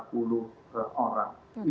ini sudah menjadi concern yang cukup besar